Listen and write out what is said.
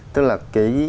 tức là cái